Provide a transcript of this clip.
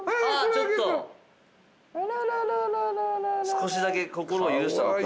少しだけ心を許したのか？